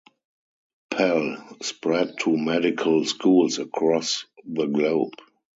Pel, spread to medical schools across the globe.